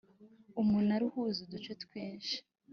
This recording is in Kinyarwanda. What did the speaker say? Umunara uhuza uduce twishi.